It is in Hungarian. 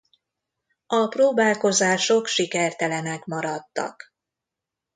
A próbálkozások sikertelenek maradtak.